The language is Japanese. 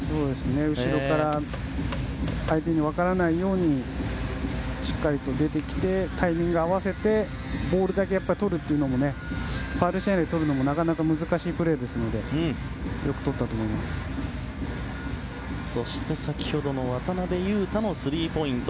後ろから相手に分からないようにしっかりと出てきてタイミングを合わせてボールだけとるというファウルしないでとるのもなかなか難しいプレーですので先ほどの渡邊雄太のスリーポイント。